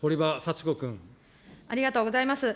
ありがとうございます。